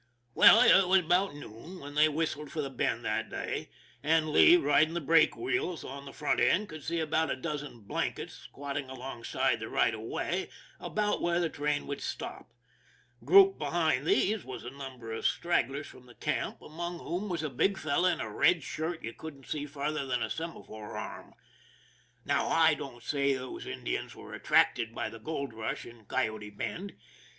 Well, it was about noon when they whistled for the Bend that day, and Lee, riding the brake wheels on the front end, could see about a dozen " blankets " squatting alongside the right of way about where the train would stop. Grouped behind these were a num ber of stragglers from the camp, among whom was a THE MAN WHO DIDN'T COUNT 241 big fellow in a red shirt you could see farther than a semaphore arm. Now, I don't say those Indians were attracted by the gold rush to Coyote Bend.